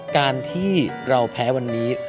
การที่เราแพ้วันนี้